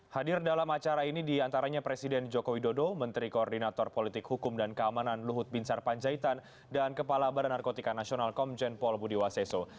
hadir dalam acara ini diantaranya presiden joko widodo menteri koordinator politik hukum dan keamanan luhut bin sarpanjaitan dan kepala badan narkotika nasional komjen pol budi waseso